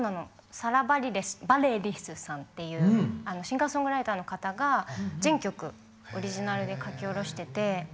サラ・バレリスさんっていうシンガーソングライターの方が全曲オリジナルで書き下ろしてて。